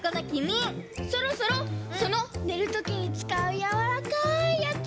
そろそろそのねるときにつかうやわらかいやつ